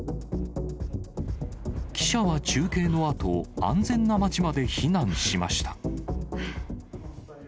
記者は中継のあと、安全な街まで避難しました。